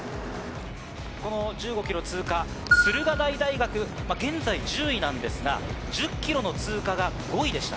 この１５キロ通過、駿河台大学、現在１０位なんですが、１０キロの通過が５位でした。